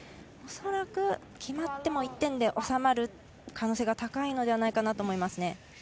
恐らく決まっても１点でおさまる可能性が高いのではないかなと思います。